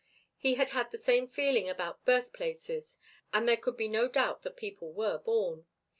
He had had the same feeling about birthplaces and there could be no doubt that people were born.